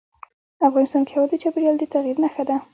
افغانستان کې هوا د چاپېریال د تغیر نښه ده.